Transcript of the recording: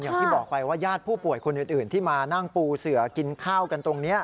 อย่างที่บอกไปว่าญาติผู้ป่วยคนอื่นที่มานั่งปูเสือกินข้าวกันตรงนี้